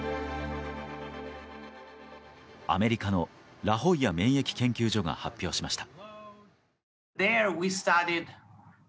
アメリカのラホイヤ免疫研究所が発表しました。